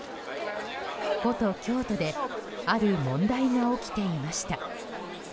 古都・京都である問題が起きていました。